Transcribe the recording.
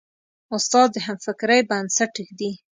استاد د همفکرۍ بنسټ ږدي.